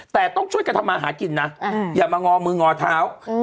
แต่ต้องช่วยกันทำมาหากินนะอย่ามางอมืองอเท้า